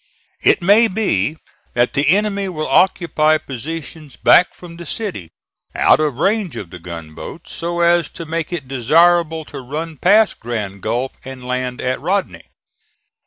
It may be that the enemy will occupy positions back from the city, out of range of the gunboats, so as to make it desirable to run past Grand Gulf and land at Rodney.